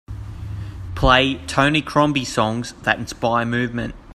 Play Tony Crombie songs that inspire movement